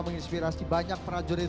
menginspirasi banyak prajurit